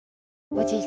おじい